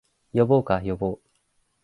呼ぼうか、呼ぼう